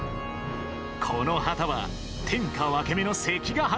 この旗は、天下分け目の関ケ原？